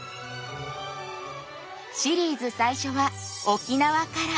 シリーズ最初は沖縄から。